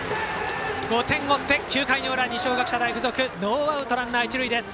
５点を追って９回の裏、二松学舎大付属ノーアウトランナー、一塁です。